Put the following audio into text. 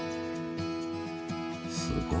すごいね。